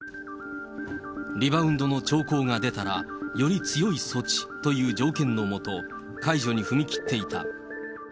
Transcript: リバウンドの兆候が出たら、より強い措置という条件の下、解除に踏み切っていた。